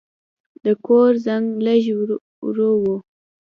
د کور زنګ لږ ورو و.